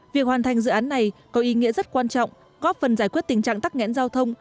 việc hoàn thành dự án này có ý nghĩa rất quan trọng góp phần giải quyết tình trạng tắc nghẽn giao thông